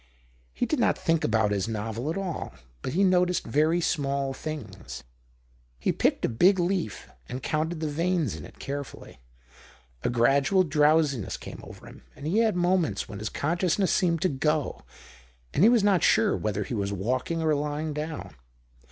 He did not think about his novel at all, but he noticed very small things : he picked a big leaf and counted the veins in it carefully. A gradual drowsiness came over him, and he had moments when his con sciousness seemed to go, and he was not sure whether he was walking or lying down.